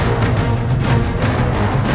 atau tentang kakaknya